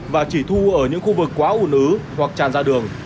và chỉ thu ở những khu vực quá ủn ứ hoặc tràn ra đường